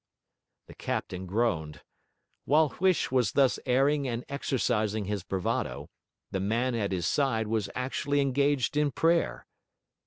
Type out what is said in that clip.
The captain groaned. While Huish was thus airing and exercising his bravado, the man at his side was actually engaged in prayer.